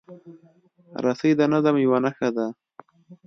رسۍ د نظم یوه نښه ده.